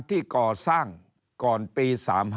ที่ก่อสร้างก่อนปี๓๕